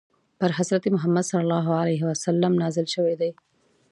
پر حضرت محمد ﷺ نازل شوی دی.